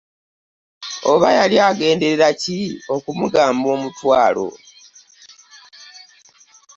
Oba yali agendereraki okumugamba omutwalo .